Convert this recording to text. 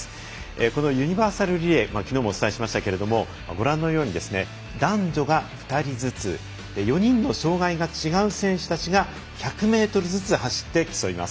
このユニバーサルリレーきのうもお伝えしましたけどご覧のように男女が２人ずつ４人の障がいが違う選手たちが１００ｍずつ走って競います。